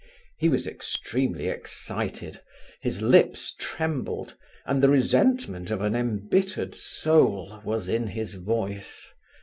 He was extremely excited; his lips trembled, and the resentment of an embittered soul was in his voice.